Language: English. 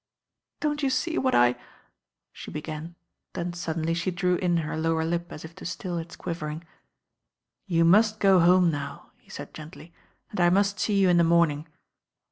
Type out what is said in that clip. "Don't you see what I » she began, then sud denly she drew in her lower lip as if to rtill its quiv ering. "You must go home now," he said gently, "and I must see you in the morning."